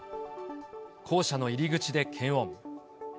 校舎の入り口で検温。